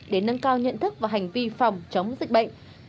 để nâng cao nhận thức về hành vi phòng trống dịch bệnh